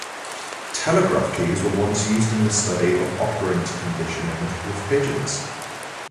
Telegraph keys were once used in the study of operant conditioning with pigeons.